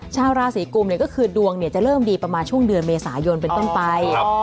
ชาวราศีกุมก็คือดวงจะเริ่มดีประมาณช่วงเดือนเมษายนเป็นต้นไป